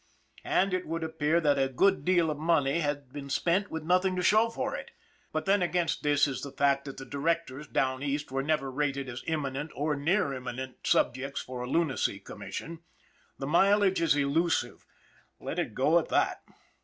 And it would appear that a good deal of money had been spent with nothing to show for it; but then against this is the fact that the directors down East were never rated as imminent or near imminent subjects for a lunacy commission. The mileage is elusive let it go at that.